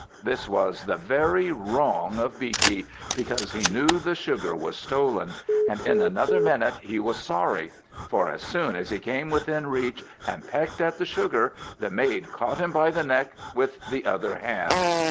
This was very wrong of Beaky, because he knew the sugar was stolen; and in another minute he was sorry; for as soon as he came within reach and pecked at the sugar, the maid caught him by the neck with the other hand.